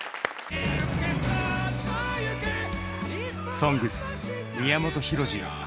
「ＳＯＮＧＳ」宮本浩次